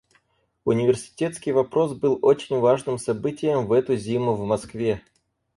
Университетский вопрос был очень важным событием в эту зиму в Москве.